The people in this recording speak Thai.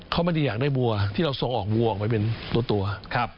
เขาไม่ได้อยากได้วัวที่เราส่งออกวัวออกไปเป็นตัว